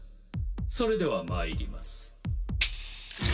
それではまいります